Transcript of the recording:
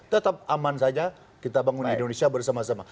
tetap aman saja kita bangun indonesia bersama sama